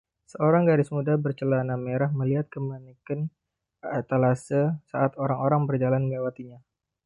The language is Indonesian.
Seorang gadis muda bercelana merah melihat ke maneken etalase saat orang-orang berjalan melewatinya